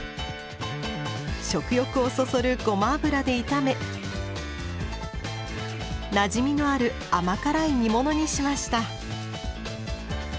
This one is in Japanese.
食欲をそそるごま油で炒めなじみのある甘辛い煮物にしました。